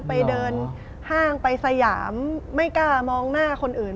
ไปเดินห้างไปสยามไม่กล้ามองหน้าคนอื่น